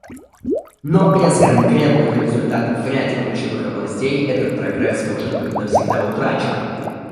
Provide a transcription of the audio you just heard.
Но без конкретных результатов в ряде ключевых областей этот прогресс может быть навсегда утрачен.